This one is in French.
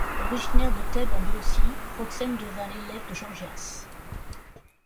Originaire de Thèbes en Béotie, Proxène devint l’élève de Gorgias.